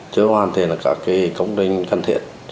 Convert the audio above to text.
chưa hoàn thiện được các công trình cần thiện